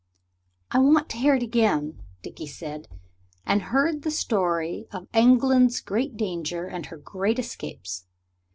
"I want to hear it again," Dickie said. And heard the story of England's great danger and her great escapes.